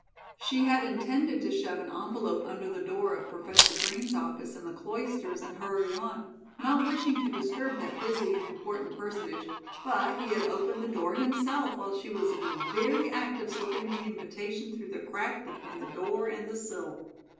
She had intended to shove an envelope under the door of Professor Green's office in the cloisters and hurry on, not wishing to disturb that busy and important personage, but he had opened the door himself while she was in the very act of slipping the invitation through the crack between the door and the sill.